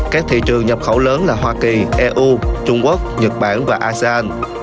các thị trường nhập khẩu lớn là hoa kỳ eu trung quốc nhật bản và asean